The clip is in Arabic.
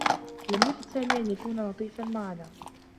لم يرد سامي أن يكون لطيفا معنا.